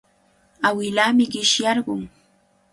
Awilaami qishyarqun.